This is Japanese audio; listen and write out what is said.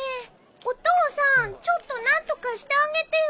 お父さんちょっと何とかしてあげてよ。